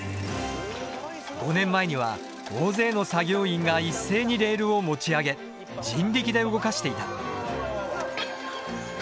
５年前には大勢の作業員が一斉にレールを持ち上げ人力で動かしていた。